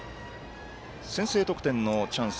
先制得点のチャンス。